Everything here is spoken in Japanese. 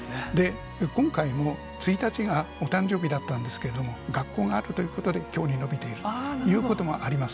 今回も１日がお誕生日だったんですけれども、学校があるということで、きょうに延びているということもあります。